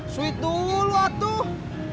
sweet dulu atuh